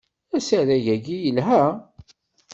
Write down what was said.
Asarag-agi yelha.